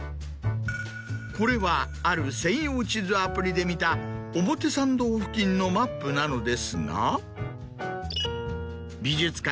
これはある専用地図アプリで見た表参道付近のマップなのですが。